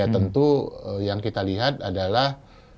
tentu yang kita lihat adalah